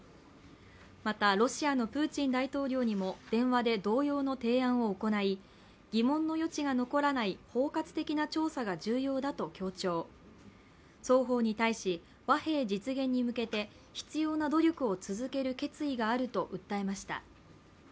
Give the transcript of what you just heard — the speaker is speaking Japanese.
また、ロシアのプーチン大統領にも電話で同様の提案を行い、疑問の余地が残らない、包括的な調査が重要だと強調、双方に対し、和平実現に向けて必要な努力を続ける決意があると訴えました。